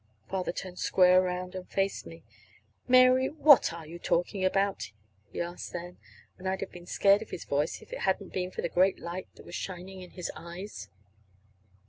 Father turned square around and faced me. "Mary, what are you talking about?" he asked then. And I'd have been scared of his voice if it hadn't been for the great light that was shining in his eyes.